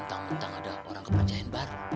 mentang mentang ada orang kepanjahin bar